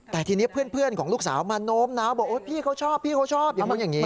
แต่ทีนี้เพื่อนของลูกสาวมาโน้มน้าวบอกพี่เขาชอบพี่เขาชอบอย่างนู้นอย่างนี้